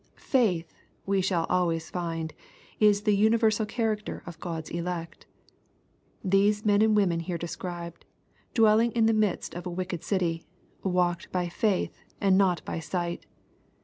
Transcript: Faith, we shall always find, is the universal character of God's elect. These men and women here described, dwelling in the midst of a wicked city, walked by faith, and not by sight.